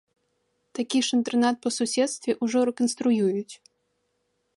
Такі ж інтэрнат па суседстве ўжо рэканструююць.